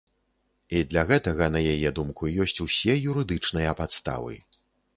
І для гэтага, на яе думку, ёсць усе юрыдычныя падставы.